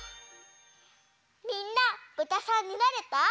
みんなぶたさんになれた？